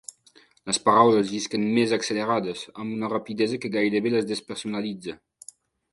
Les paraules llisquen més accelerades, amb una rapidesa que gairebé les despersonalitza.